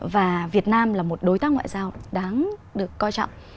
và việt nam là một đối tác ngoại giao đáng được coi trọng